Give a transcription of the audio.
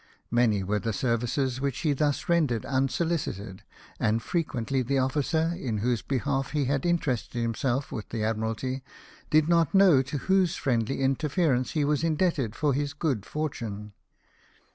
Many were the services which he thus rendered unsolicited, and frequently the officer, m whose behalf he had interested himself with the Admiralty, did not know to whose friendly inter ference he was indebted lor his good fortune.